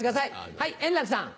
はい円楽さん。